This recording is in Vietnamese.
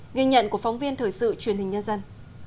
ghi nhận của phóng viên thời sự truyền hình nhân dân